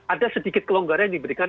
ada sedikit kelonggaran yang diberikan